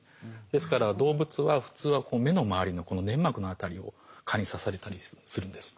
ですから動物は普通は目の周りのこの粘膜の辺りを蚊に刺されたりするんです。